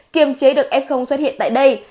kiềm chế được f xuất hiện tại đây